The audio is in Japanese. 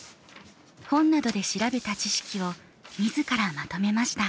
本などで調べた知識を自らまとめました。